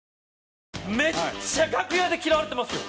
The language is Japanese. めっちゃ楽屋で嫌われてますよ。